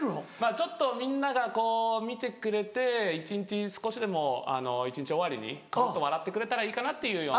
ちょっとみんなが見てくれて少しでも一日終わりにクスっと笑ってくれたらいいかなっていうような。